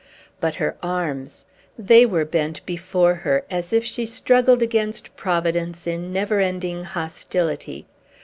But her arms! They were bent before her, as if she struggled against Providence in never ending hostility.